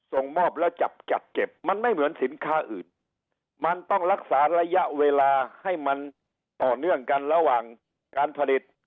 ส่งมอบแล้วจับจัดเก็บมันไม่เหมือนสินค้าอื่นมันต้องรักษาระยะเวลาให้มันต่อเนื่องกันระหว่างการผลิต